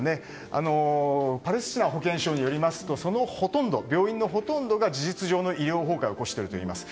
パレスチナ保険省によりますとその病院のほとんどが事実上の医療崩壊を起こしているといいます。